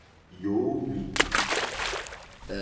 Yǒhwì.